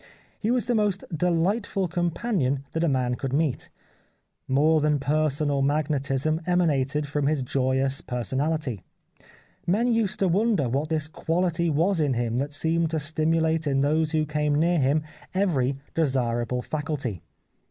He was the most delightful companion that a man could meet. More than personal magnetism emanated from his joyous personality. Men used to wonder what this quality was in him that seemed to stimulate in those who came near him every desirable faculty.